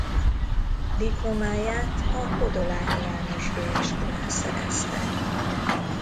Diplomáját a Kodolányi János Főiskolán szerezte.